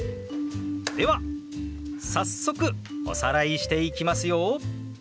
では早速おさらいしていきますよ。